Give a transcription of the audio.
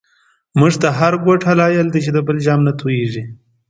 مونږ ته هر گوت هلایل دی، چی د بل جام نه توییږی